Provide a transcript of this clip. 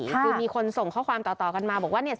คือมีคนส่งข้อความต่อกันมาบอกว่าเนี่ย